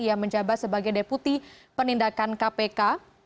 ia menjabat sebagai deputi penindakan kpk